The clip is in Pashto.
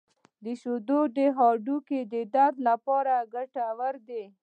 • شیدې د هډوکو د درد لپاره ګټورې دي.